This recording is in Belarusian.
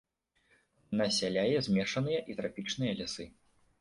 Насяляе змешаныя і трапічныя лясы.